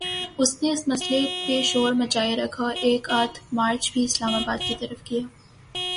اس نے اس مسئلے پہ شور مچائے رکھا اور ایک آدھ مارچ بھی اسلام آباد کی طرف کیا۔